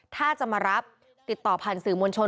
ถ้าจะมารับติดต่อผ่านสื่อมวลชน